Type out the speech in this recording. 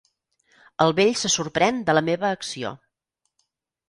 El vell se sorprèn de la meva acció.